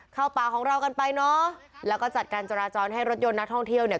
เข้าป่าของเรากันไปเนอะแล้วก็จัดการจราจรให้รถยนต์นักท่องเที่ยวเนี่ย